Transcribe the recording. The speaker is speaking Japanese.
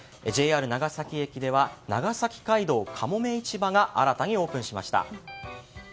長崎駅では長崎街道かもめ市場が新たにオープンしました。